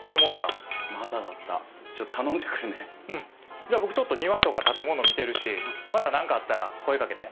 じゃあ僕ちょっと庭とか建物見てるしまた何かあったら声かけて。